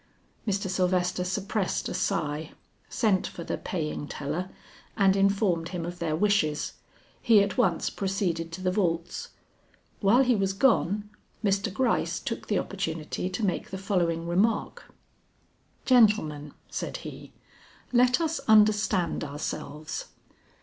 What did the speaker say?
Mr. Sylvester suppressed a sigh, sent for the paying teller, and informed him of their wishes. He at once proceeded to the vaults. While he was gone, Mr. Gryce took the opportunity to make the following remark. "Gentlemen," said he, "let us understand ourselves.